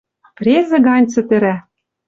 Презӹ гань цӹтӹрӓ.